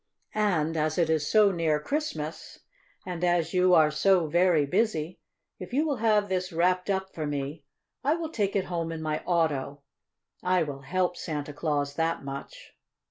And, as it is so near Christmas, and as you are so very busy, if you will have this wrapped up for me, I will take it home in my auto. I will help Santa Claus that much."